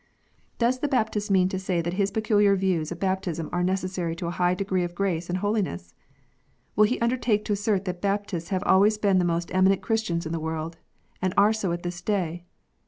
Does the Baptist mean to say that his peculiar views of baptism are necessary to a high degree of grace and holiness ? Will he undertake to assert that Baptists have always been the most eminent Christians in the world, and are so at this day